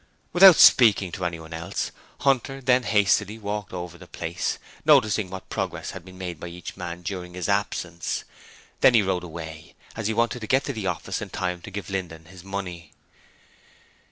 Without speaking to anyone else, Hunter then hastily walked over the place, noting what progress had been made by each man during his absence. He then rode away, as he wanted to get to the office in time to give Linden his money.